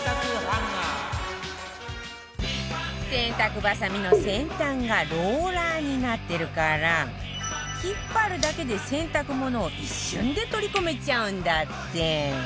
洗濯バサミの先端がローラーになってるから引っ張るだけで洗濯物を一瞬で取り込めちゃうんだって